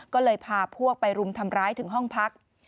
ก็เลยพาพวกไปรุมทำร้ายถึงห้องพัก